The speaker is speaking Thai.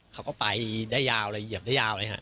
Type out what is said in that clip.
เขาก็ไปได้ยาวเลยเหยียบได้ยาวเลยฮะ